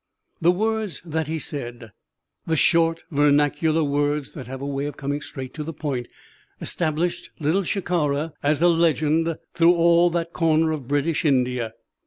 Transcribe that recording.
The words that he said, the short vernacular words that have a way of coming straight to the point, established Little Shikara as a legend through all that corner of British India.